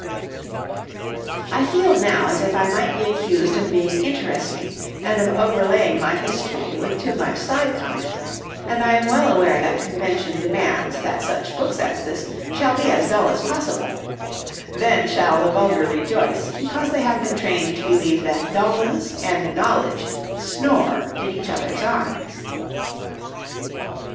] I feel now as if I might be accused of being interesting and of overlaying my history with too much side comment, and I am well aware that convention demands that such books as this shall be as dull as possible; then shall the vulgar rejoice, because they have been trained to believe that dullness and knowledge snore in each other's arms.